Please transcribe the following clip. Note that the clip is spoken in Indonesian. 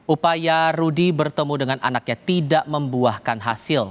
upaya rudy bertemu dengan anaknya tidak membuahkan hasil